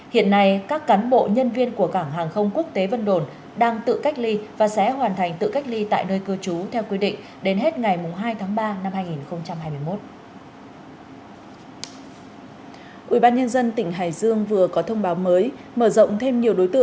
hiện nay các cán bộ nhân viên của cảng hàng không quốc tế vân đồn đang tự cách ly và sẽ hoàn thành tự cách ly tại nơi cư trú theo quy định đến hết ngày hai tháng ba năm hai nghìn hai mươi một